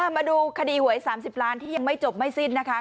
มาดูคดีหวย๓๐ล้านที่ยังไม่จบไม่สิ้นนะคะ